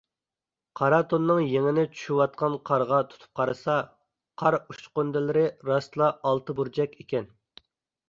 قارا تونىنىڭ يېڭىنى چۈشۈۋاتقان قارغا تۇتۇپ قارىسا، قار ئۇچقۇندىلىرى راستلا ئالتە بۇرجەك ئىكەن.